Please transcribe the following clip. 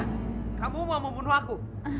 karena kamu mau membunuh aku